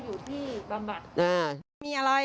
อยู่ที่บำราษณ์